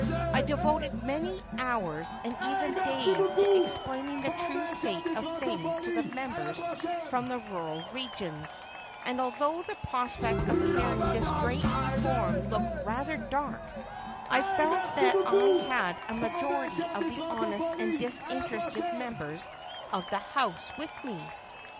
I devoted many hours, and even days, to explaining the true state of things to the members from the rural regions, and although the prospect of carrying this great reform looked rather dark, I felt that I had a majority of the honest and disinterested members of the house with me.